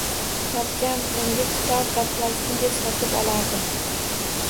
Topgan pulimga kitob va plastinka sotib olardim.